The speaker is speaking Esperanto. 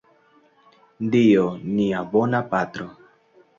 Dio, nia bona Patro.